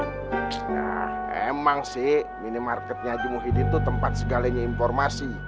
nah emang sih minimarketnya aji muhyiddin itu tempat sekalinya informasi